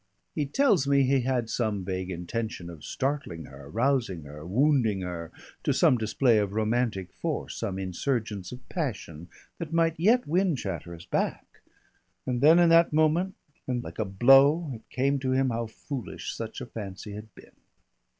He tells me he had some vague intention of startling her, rousing her, wounding her to some display of romantic force, some insurgence of passion, that might yet win Chatteris back, and then in that moment, and like a blow, it came to him how foolish such a fancy had been.